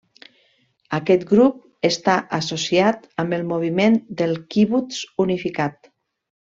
Aquest grup està associat amb el moviment del quibuts unificat.